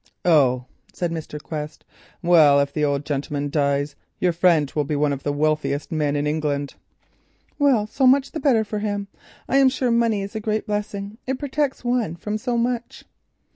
"Oh," said Mr. Quest. "Well, if the old gentleman dies, your friend will be one of the wealthiest men in England." "Well, so much the better for him. I am sure money is a great blessing. It protects one from so much."